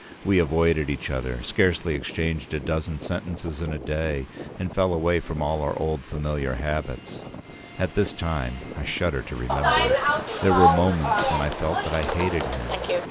We avoided each other, scarcely exchanged a dozen sentences in a day, and fell away from all our old familiar habits. At this time—I shudder to remember it!—there were moments when I felt that I hated him.